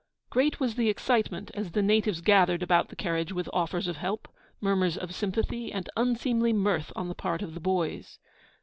Great was the excitement as the natives gathered about the carriage with offers of help, murmurs of sympathy, and unseemly mirth on the part of the boys.